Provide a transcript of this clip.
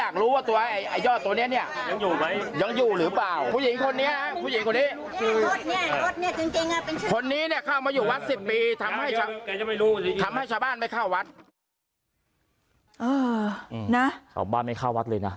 ชาวบ้านไม่เข้าวัดเลยนะ